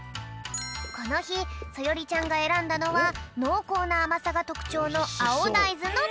このひそよりちゃんがえらんだのはのうこうなあまさがとくちょうのあおだいずのみそ。